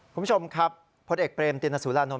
คุณผู้ชมครับพลเอกเบรมตินสุรานนท